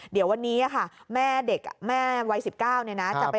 เดี๋ยววันนี้อะค่ะแม่วัย๑๙ค่ะ